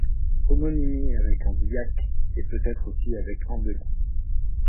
Homonymie avec Andillac et peut-être aussi avec Andely.